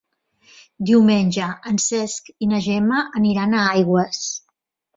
Diumenge en Cesc i na Gemma iran a Aigües.